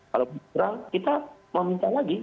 kalau kita mau minta lagi